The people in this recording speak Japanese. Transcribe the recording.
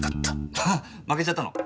ハハ負けちゃったの？